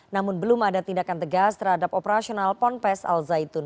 namun belum ada tindakan tegas terhadap operasional ponpes al zaitun